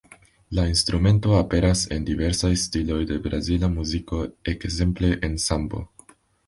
La instrumento aperas en diversaj stiloj de brazila muziko, ekzemple en sambo.